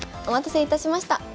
お待たせいたしました。